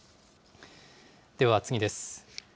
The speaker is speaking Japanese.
では次です。